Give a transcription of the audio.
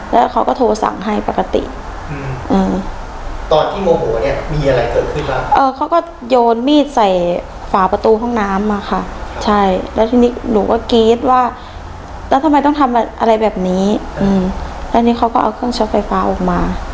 แล้วทำไมต้องทำอะไรแบบนี้อืมแล้วนี่เขาก็เอาเครื่องช็อตไฟฟ้าออกมา